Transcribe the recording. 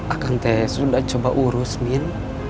akang sudah coba urus min